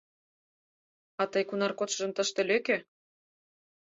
— А тый кунар кодшыжым тыште лӧкӧ!